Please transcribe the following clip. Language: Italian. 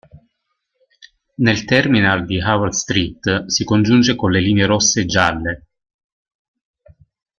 Nel terminal di Howard Street si congiunge con le linee rosse e gialle.